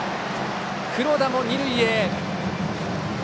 黒田も二塁へ。